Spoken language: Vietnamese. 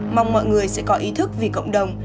mong mọi người sẽ có ý thức vì cộng đồng